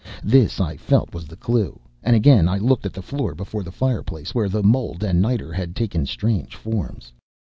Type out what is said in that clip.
This I felt was the clue, and again I looked at the floor before the fireplace where the mold and niter had taken strange forms.